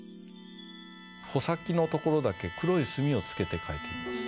穂先のところだけ黒い墨をつけて書いてみます。